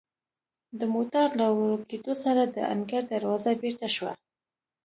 د موټر له ورو کیدو سره د انګړ دروازه بیرته شوه.